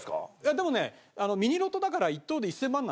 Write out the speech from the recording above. でもねミニロトだから１等で１０００万なんだけど。